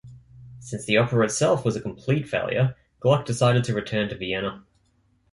Since the opera itself was a complete failure, Gluck decided to return to Vienna.